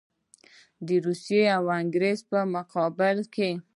د روسیې او انګرېز په مقابل کې.